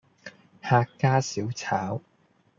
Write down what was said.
客家小炒